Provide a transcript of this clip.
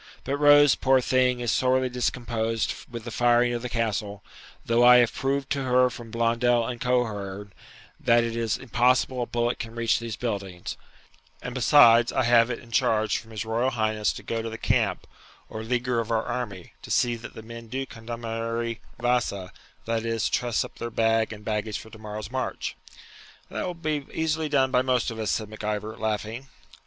But Rose, poor thing, is sorely discomposed with the firing of the Castle, though I have proved to her from Blondel and Coehorn, that it is impossible a bullet can reach these buildings; and, besides, I have it in charge from his Royal Highness to go to the camp, or leaguer of our army, to see that the men do condamare vasa, that is, truss up their bag and baggage for tomorrow's march.' 'That will be easily done by most of us,' said Mac Ivor, laughing.